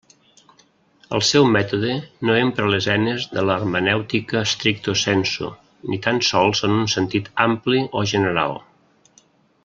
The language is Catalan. El seu mètode no empra les eines de l'hermenèutica stricto sensu, ni tan sols en un sentit ampli o general.